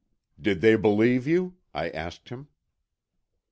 "Did they believe you?" I asked him.